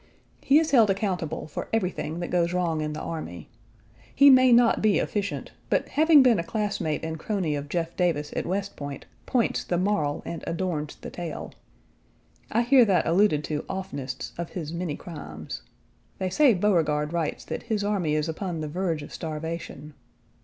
He is held accountable for everything that goes wrong in the army. He may not be efficient, but having been a classmate and crony of Jeff Davis at West Point, points the moral and adorns the tale. I hear that alluded to oftenest of his many crimes. They say Beauregard writes that his army is upon the verge of starvation.